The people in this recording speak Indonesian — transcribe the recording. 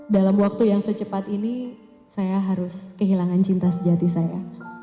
dalam waktu yang secepat ini saya harus kehilangan cinta sejati saya